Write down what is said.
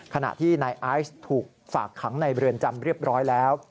ขณะที่นายไอซ์ถูกฝากขังในเรือนจำเรียบร้อยแล้ว